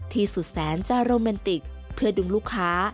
ที่สุดแสนจาโรแมนติกเพื่อดึงลูกค้า